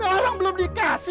orang belum dikasih